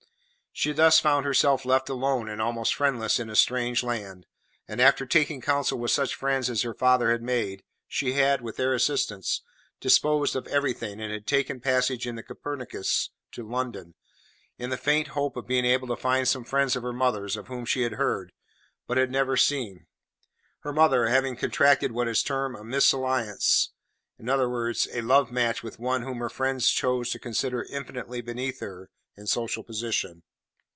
She thus found herself left alone and almost friendless in a strange land, and, after taking counsel with such friends as her father had made, she had, with their assistance, disposed of everything, and had taken passage in the Copernicus to London, in the faint hope of being able to find some friends of her mother's of whom she had heard, but had never seen, her mother having contracted what is termed a mesalliance in other words, a love match with one whom her friends chose to consider infinitely beneath her in social position.